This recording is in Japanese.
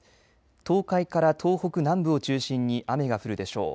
東海から東北南部を中心に雨が降るでしょう。